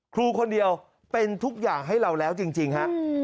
ครูคนเดียวเป็นทุกอย่างให้เราแล้วจริงฮะ